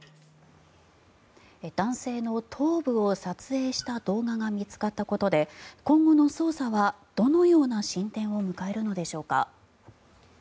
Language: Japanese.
男性の頭部を撮影した動画が見つかったことで今後の捜査はどのような進展を迎えるのでしょうか。